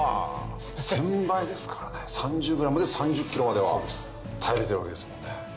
１０００倍ですからね３０ｇで３０ｋｇまでは耐えれてるわけですもんね。